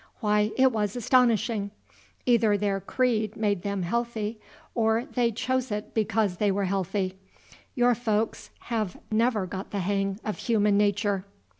Why, it was astonishing. Either their creed made them healthy, or they chose it because they were healthy. Your folks have never got the hang of human nature."